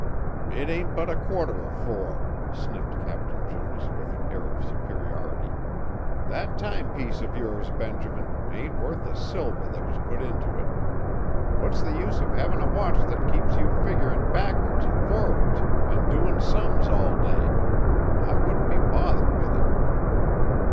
"It ain't but a quarter of four," sniffed Captain Jonas with an air of superiority. "That timepiece of yours, Benjamin, ain't worth the silver that was put into it. What's the use of havin' a watch that keeps you figgerin' backwards an' forards, an' doin' sums all day? I wouldn't be bothered with it."